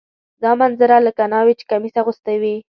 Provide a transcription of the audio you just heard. دا منظره لکه ناوې چې کمیس اغوستی وي.